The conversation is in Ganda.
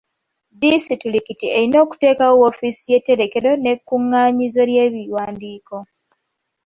Disitulikiti erina okuteekawo woofiisi y'etterekero n'ekkunganyizo ly'ebiwandiiko.